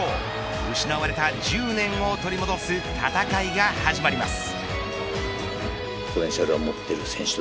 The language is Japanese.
失われた１０年を取り戻す戦いが始まります。